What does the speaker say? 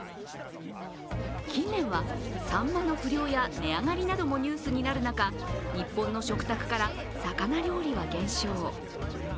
近年はサンマの不漁や値上がりなどもニュースになる中日本の食卓から魚料理は減少。